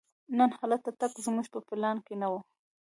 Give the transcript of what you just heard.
نن هلته تګ زموږ په پلان کې نه و.